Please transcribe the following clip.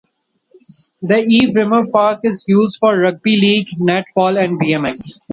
The Eve Rimmer Park is used for rugby league, netball and bmx.